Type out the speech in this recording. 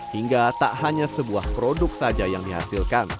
hingga tak hanya sebuah produk saja yang dihasilkan